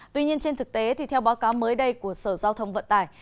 tuy nhiên trên thực tế theo báo cáo mới đây của sở giao thông vận tài